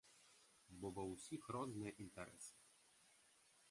Бо ва ўсіх розныя інтарэсы.